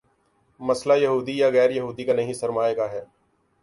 مسئلہ یہودی یا غیر یہودی کا نہیں، سرمائے کا ہے۔